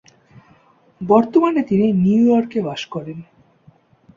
বর্তমানে তিনি নিউ ইয়র্কে বাস করেন।